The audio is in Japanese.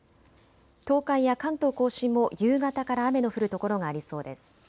東海や関東甲信も夕方から雨の降る所がありそうです。